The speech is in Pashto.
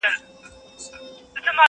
قاسمیار په زنځیر بند تړلی خوښ یم ,